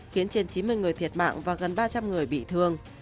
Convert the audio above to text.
khiến trên chín mươi người thiệt mạng và gần ba trăm linh người bị thương